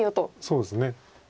そうですね。